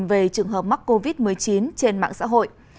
về trường hợp mắc covid một mươi chín trên mạng xã hội